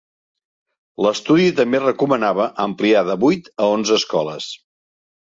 L'estudi també recomanava ampliar de vuit a onze escoles.